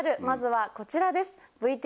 まずはこちらです